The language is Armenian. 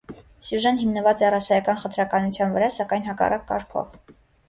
Սյուժեն հիմնված է ռասայական խտրականության վրա, սակայն հակառակ կարգով։